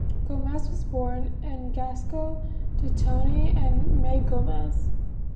Gomez was born in Glasgow to Tony and May Gomez.